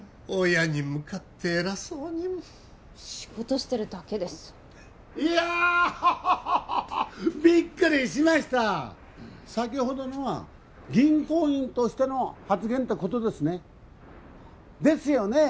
親に向かって偉そうに仕事してるだけですいやハッハハハびっくりしました先ほどのは銀行員としての発言ってことですね？ですよね？